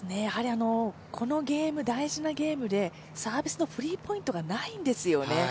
この大事なゲームでサービスのフリーポイントがないんですよね。